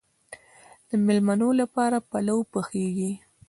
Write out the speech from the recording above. د میلمنو لپاره پلو پخیږي.